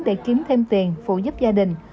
để kiếm thêm tiền phụ giúp gia đình